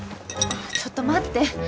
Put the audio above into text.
ちょっと待って。